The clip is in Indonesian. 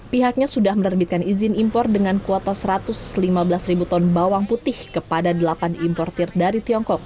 pihaknya sudah menerbitkan izin impor dengan kuota satu ratus lima belas ribu ton bawang putih kepada delapan importer dari tiongkok